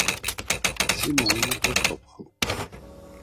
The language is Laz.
Si muayne doǩtzopxu.